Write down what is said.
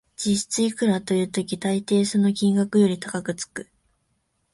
実質いくらという時、たいていその金額より高くつく